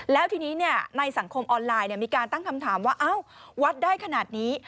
แล้วทีนี้ในสังคมออนไลน์มีการตั้งคำถามว่าอ้าววัดได้ขนาดนี้